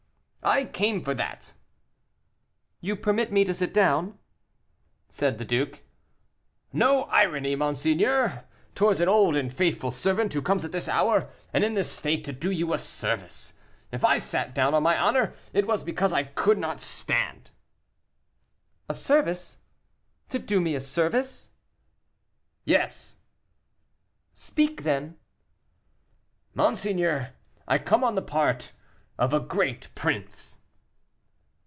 "I came for that." "You permit me to sit down?" said the duke. "No irony, monseigneur, towards an old and faithful servant, who comes at this hour and in this state to do you a service. If I sat down, on my honor, it was because I could not stand." "A service! to do me a service?" "Yes." "Speak, then." "Monseigneur, I come on the part of a great prince."